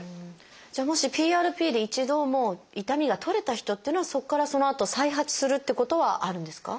じゃあもしＰＲＰで一度痛みが取れた人っていうのはそこからそのあと再発するってことはあるんですか？